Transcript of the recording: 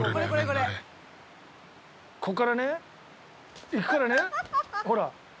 ここからね行くからね。